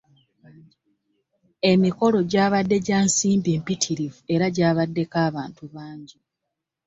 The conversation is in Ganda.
Emikolo gyabadde gya nsimbi mpitirivu era gyabaddeko abantu bangi.